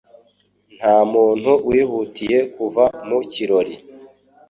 Ntamuntu wihutiye kuva mu kirori.